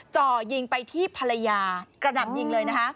เจาะยิงไปที่ภรรยากระหนับยิงเลยนะฮะ